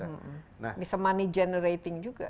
ini gimana bisa money generating juga